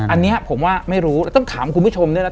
อันนี้ผมว่าไม่รู้แล้วต้องถามคุณผู้ชมด้วยนะ